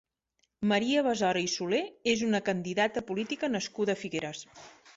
Maria Besora i Soler és una candidata política nascuda a Figueres.